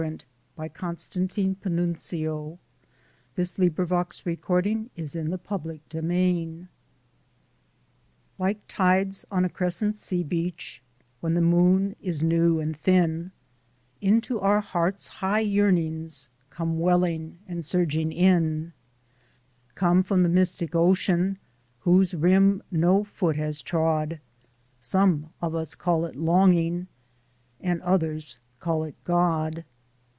HOME! 299 XX. THE FINAL CHOICE 315 A NATIVE OF ANCIENT APULIA Like tides on a crescent sea beach, When the moon is new and thin, Into our hearts high yearnings, Come welling and surging in Come from the mystic ocean Whose rim no foot has trod Some of us call it Longing, And others call it God.